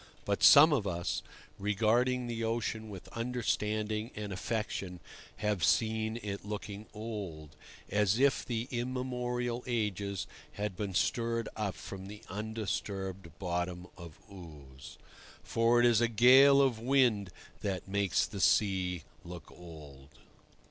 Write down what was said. But some of us, regarding the ocean with understanding and affection, have seen it looking old, as if the immemorial ages had been stirred up from the undisturbed bottom of ooze. For it is a gale of wind that makes the sea look old.